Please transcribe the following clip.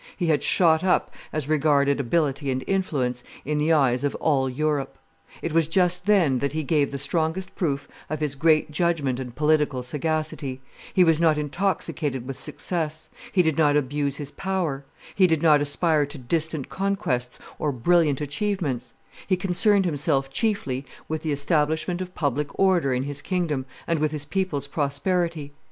He had shot up, as regarded ability and influence, in the eyes of all Europe. It was just then that he gave the strongest proof of his great judgment and political sagacity; he was not intoxicated with success; he did not abuse his power; he did not aspire to distant conquests or brilliant achievements; he concerned himself chiefly with the establishment of public order in his kingdom and with his people's prosperity.